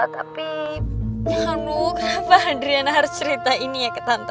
tapi aduh kenapa adriana harus cerita ini ya ke tante